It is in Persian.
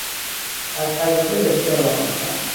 از تجربه بسیار آموختم.